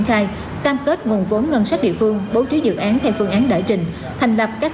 khai cam kết nguồn vốn ngân sách địa phương bố trí dự án theo phương án đại trình thành lập các